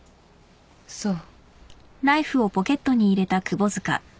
そう。